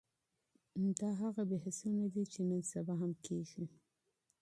دا هغه بحثونه دي چي نن سبا هم کېږي.